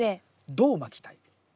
どうまきたい？